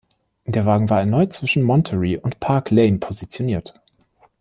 Der Wagen war erneut zwischen Monterey und Park Lane positioniert.